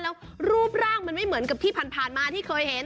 แล้วรูปร่างมันไม่เหมือนกับที่ผ่านมาที่เคยเห็น